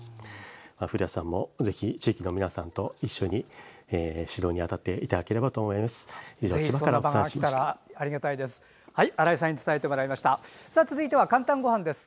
古谷さんもぜひ地域の皆さんと一緒に指導に当たっていただければと思います。